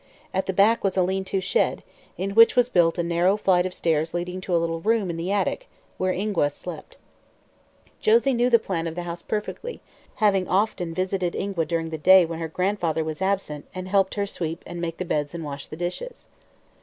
At the back was a lean to shed, in which was built a narrow flight of stairs leading to a little room in the attic, where Ingua slept. Josie knew the plan of the house perfectly, having often visited Ingua during the day when her grandfather was absent and helped her sweep and make the beds and wash the dishes.